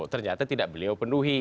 ternyata tidak beliau penuhi